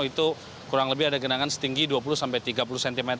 itu kurang lebih ada genangan setinggi dua puluh sampai tiga puluh cm